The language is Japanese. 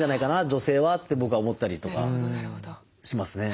女性はって僕は思ったりとかしますね。